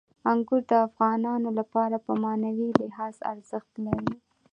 انګور د افغانانو لپاره په معنوي لحاظ ارزښت لري.